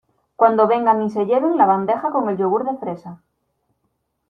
cuando vengan y se lleven la bandeja con el yogur de fresa